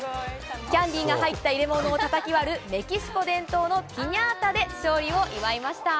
キャンディーが入った入れ物をたたき割る、メキシコ伝統のピニャータで勝利を祝いました。